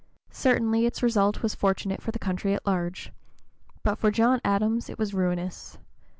Certainly its result was fortunate for the country at large. But for John Adams it was ruinous.